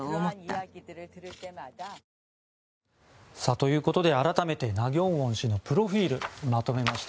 ということで改めてナ・ギョンウォン氏のプロフィルをまとめました。